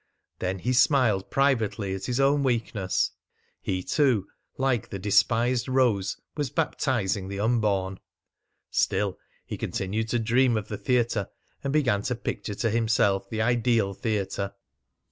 Then he smiled privately at his own weakness.... He too, like the despised Rose, was baptising the unborn! Still, he continued to dream of the theatre, and began to picture to himself the ideal theatre.